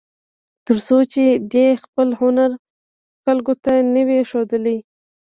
تر څو چې دې خپل هنر خلکو ته نه وي ښوولی.